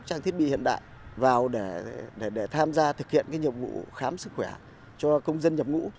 các trang thiết bị hiện đại vào để tham gia thực hiện nhập vụ khám sức khỏe cho công dân nhập ngủ